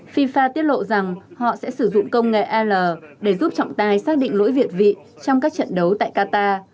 fifa tiết lộ rằng họ sẽ sử dụng công nghệ al để giúp trọng tài xác định lỗi việt vị trong các trận đấu tại qatar